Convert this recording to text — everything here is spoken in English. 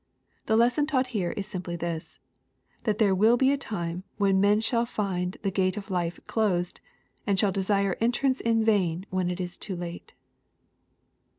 The lesson taught here is simply this, that there will be a time when men shall find the gate of life closed, and shall de» sire entrance in vain when it is too late.